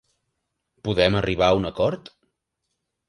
Podem arribar a un acord?